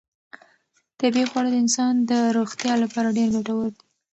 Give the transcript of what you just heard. طبیعي خواړه د انسان د روغتیا لپاره ډېر ګټور دي.